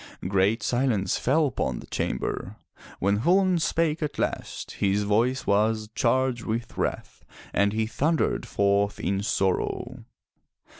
Great silence fell upon the chamber. When Chulain spake at last his voice was charged with wrath and he thundered forth in sorrow.